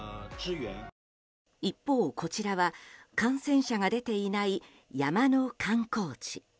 一方、こちらは感染者が出ていない山の観光地。